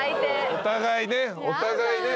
お互いね。